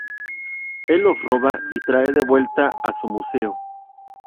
Él los roba y trae de vuelta a su museo.